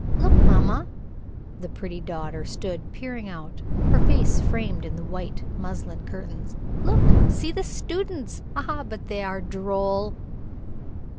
"Look, mamma." The pretty daughter stood peering out, her face framed in the white muslin curtains. "Look. See the students. Ah, but they are droll!"